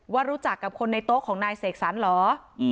ว่ารู้จักกับคนในโต๊ะของนายเสกสรรเหรอ